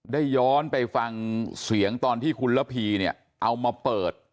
ย้อนไปฟังเสียงตอนที่คุณระพีเนี่ยเอามาเปิด